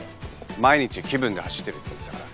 毎日気分で走ってるって言ってたから。